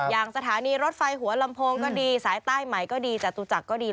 อย่างสถานีรถไฟหัวลำโพงก็ดีสายใต้ใหม่ก็ดีจตุจักรก็ดี